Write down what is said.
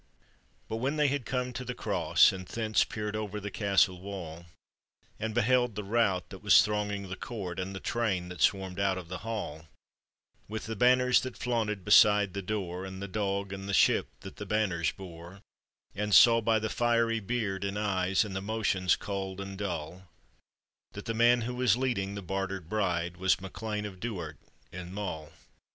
But whf n they had come to the cross, and thence Peered over the castle wall, And beheld the rout that was thronging the court, And the train that swarmed out of the hall With the banners that flaunted beside the door, And the dog and the ship that the banners bore — And saw by the fiery beard »nd eyes, And the motions cold and dull, That the man who was leading the bartered bride Was MncLean of Duard in Mull, 440 APPENDIX.